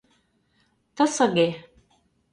Тысыге